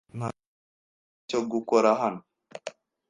Nta kintu na kimwe cyo gukora hano.